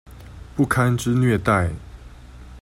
不堪之虐待